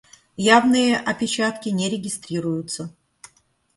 Явные опечатки не регистрируются.